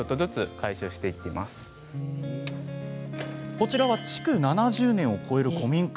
こちらは築７０年を超える古民家。